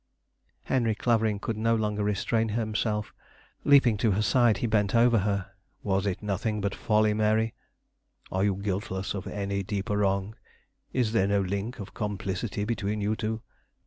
Henry Clavering could no longer restrain himself, leaping to her side, he bent over her. "Was it nothing but folly, Mary? Are you guiltless of any deeper wrong? Is there no link of complicity between you two?